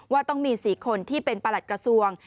ว่าต้องมี๔คนที่เป็นประหลัดกระทรวง